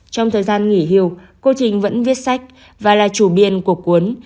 trong thời gian nghỉ hưu cô trình vẫn viết sách và là chủ biên của cuốn